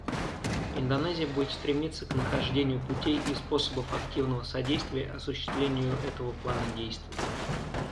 Индонезия будет стремиться к нахождению путей и способов активного содействия осуществлению этого плана действий.